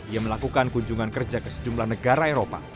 ia melakukan kunjungan kerja ke sejumlah negara eropa